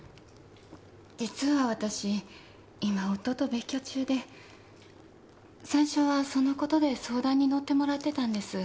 実はわたし今夫と別居中で最初はそのことで相談に乗ってもらってたんです。